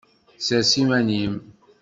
Sers iman-im!